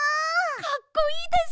かっこいいです！